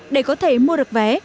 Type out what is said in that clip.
để có thể mua được vé